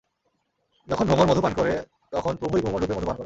যখন ভ্রমর মধু পান করে, তখন প্রভুই ভ্রমর-রূপে মধু পান করেন।